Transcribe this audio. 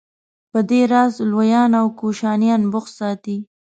په دې راز لویان او کوشنیان بوخت ساتي.